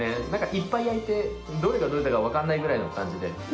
いっぱい焼いてどれがどれだか分かんないぐらいの感じで。